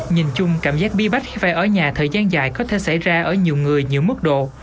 nhìn chung cảm giác bí bách khi phải ở nhà thời gian dài có thể xảy ra ở nhiều người nhiều mức độ